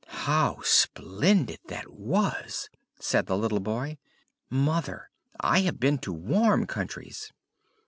"How splendid that was!" said the little boy. "Mother, I have been to warm countries."